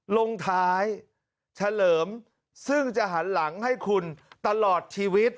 ลงท้ายเฉลิมซึ่งจะหันหลังให้คุณตลอดชีวิต